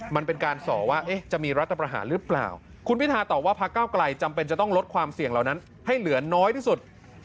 มันเป็นการสอว่าจะมีรัฐประหารหรือเปล่าคุณพิธาตอบว่าพระเก้าไกลจำเป็นจะต้องลดความเสี่ยงเหล่านั้นให้เหลือน้อยที่สุด